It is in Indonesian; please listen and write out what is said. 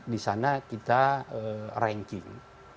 di sana kita ranking